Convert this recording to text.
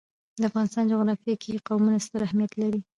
د افغانستان جغرافیه کې قومونه ستر اهمیت لري.